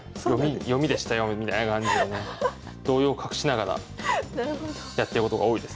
読みでしたよみたいな感じでね動揺を隠しながらやってることが多いですね。